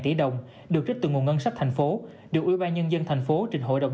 một tỷ đồng được rít từ nguồn ngân sách thành phố được ủy ban nhân dân tp hcm trình hội động